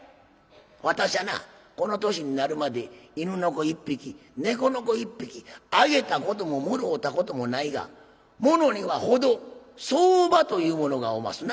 わたしゃなこの年になるまで犬の子１匹猫の子１匹あげたことももろうたこともないがものには程相場というものがおますな。